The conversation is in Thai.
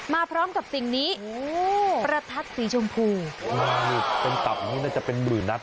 มาพร้อมกับสิ่งนี้ประทัศน์สีชมพูนี่น่าจะเป็นหมื่นนัด